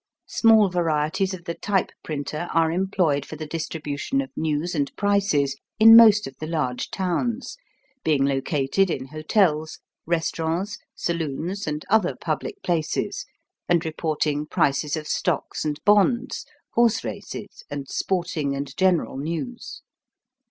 Small varieties of the type printer are employed for the distribution of news and prices in most of the large towns, being located in hotels, restaurants, saloons, and other public places, and reporting prices of stocks and bonds, horse races, and sporting and general news.